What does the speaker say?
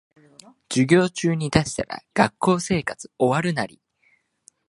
授業中に出したら学生生活終わるナリ